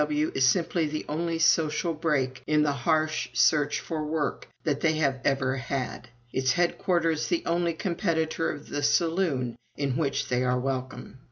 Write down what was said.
W.W. is simply the only social break in the harsh search for work that they have ever had; its headquarters the only competitor of the saloon in which they are welcome.